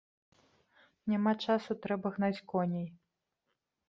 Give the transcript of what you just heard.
Няма часу, трэба гнаць коней.